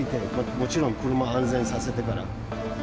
もちろん、車安全にさせてから。